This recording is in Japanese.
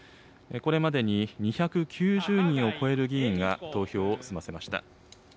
これまでに２９０人を超える議員が投票を済ませました。